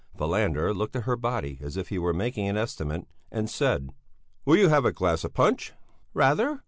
Falander looked at her body as if he were making an estimate, and said: "Will you have a glass of punch?" "Rather!"